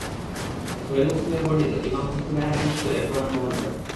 সহীহ মুসলিমে বর্ণিত ইমাম মুসলিমের হাদীসটিও এর প্রমাণ বহন করে।